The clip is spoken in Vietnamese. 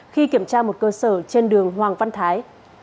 khi kiểm tra một cơ sở trên đường hoàng văn thái